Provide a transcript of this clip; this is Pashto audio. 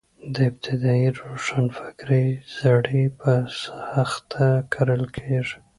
د ابتدايي روښانفکرۍ زړي په سخته کرل کېږي.